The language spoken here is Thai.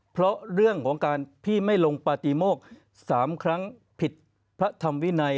เพราะเรื่องของการพี่ไม่ลงปฏิโมก๓ครั้งผิดพระธรรมวินัย